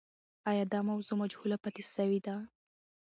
آیا دا موضوع مجهوله پاتې سوې ده؟